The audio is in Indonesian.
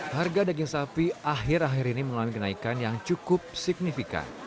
harga daging sapi akhir akhir ini mengalami kenaikan yang cukup signifikan